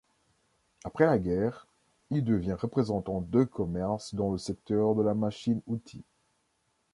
Après la guerre, il devient représentant de commerce dans le secteur de la machine-outil.